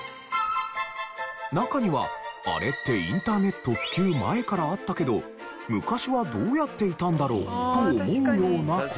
中にはあれってインターネット普及前からあったけど昔はどうやっていたんだろう？と思うような事が。